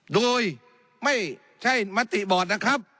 โดยไม่ใช่มติบอร์ดนะครับ